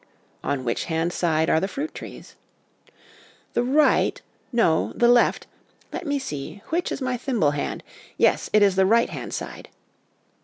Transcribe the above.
' On which hand side are the fruit trees?' 'The right no, the left ; let me see, which is my thimble hand ? Yes, it is the right hand side.'